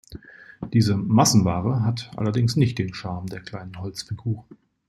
Diese Massenware hat allerdings nicht den Charme der kleinen Holzfiguren.